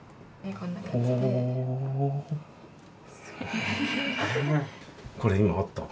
これ今あった？